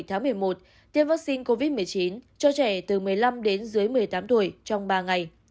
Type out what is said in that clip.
một mươi tháng một mươi một tiêm vaccine covid một mươi chín cho trẻ từ một mươi năm đến dưới một mươi tám tuổi trong ba ngày